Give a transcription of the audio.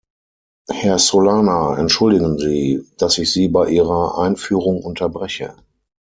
Herr Solana, entschuldigen Sie, dass ich Sie bei Ihrer Einführung unterbreche.